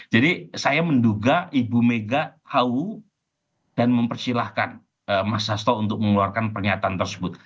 jadi saya menduga ibu mega hau dan mempersilahkan mas hasto untuk mengeluarkan pernyataan tersebut